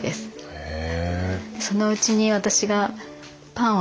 へえ。